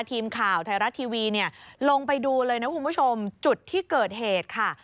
ทีมข่าวไทยรัฐทีวีเนี่ยลงไปดูเลยนะคุณผู้ชมจุดที่เกิดเหตุค่ะ